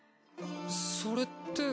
それって。